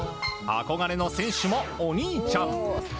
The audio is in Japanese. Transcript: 憧れの選手もお兄ちゃん。